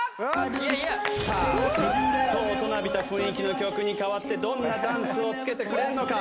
さあグッと大人びた雰囲気の曲に変わってどんなダンスをつけてくれるのか！？